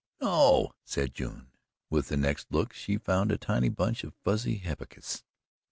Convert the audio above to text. "No!" said June. With the next look she found a tiny bunch of fuzzy hepaticas.